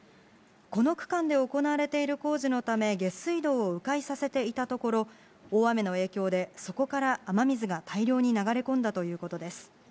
この区間で行われている工事のため、下水道をう回させていたところ、大雨の影響で、そこから雨水が大量に流れ込んだということです。